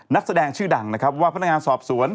นักแสดงชื่อดังนะครับว่าพนักงานสอบสวน